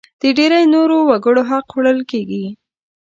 د ډېری نورو وګړو حق خوړل کېږي.